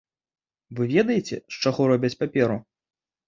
Вы ведаеце, з чаго робяць паперу?